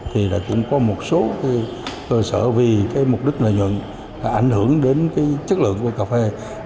thì cũng có một số cơ sở vì cái mục đích lợi nhuận ảnh hưởng đến cái chất lượng của cây cà phê